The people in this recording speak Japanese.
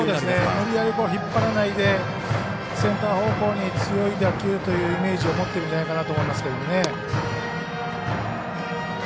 無理やり引っ張らないでセンター方向に強い打球というイメージを持ってるんじゃないかなと思いますけどね。